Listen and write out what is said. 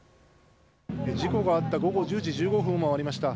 事故があった午後１０時１５分を回りました。